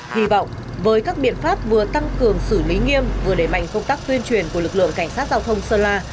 hy vọng với các biện pháp vừa tăng cường xử lý nghiêm vừa đẩy mạnh công tác tuyên truyền của lực lượng cảnh sát giao thông sơn la